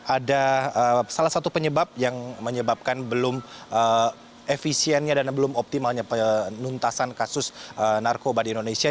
ada salah satu penyebab yang menyebabkan belum efisiennya dan belum optimalnya penuntasan kasus narkoba di indonesia